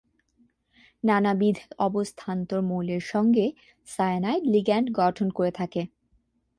নানাবিধ অবস্থান্তর মৌলের সঙ্গে সায়ানাইড লিগ্যান্ড গঠন করে থাকে।